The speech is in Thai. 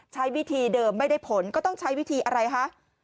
ใช้วิธีเดิมไม่ได้ผลก็ต้องใช้วิธีอะไรคะ